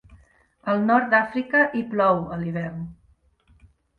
Al Nord d'Àfrica hi plou, a l'hivern.